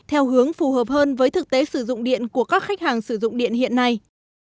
theo hướng phù hợp hơn với thực tế sử dụng điện của các khách hàng sử dụng điện hiện nay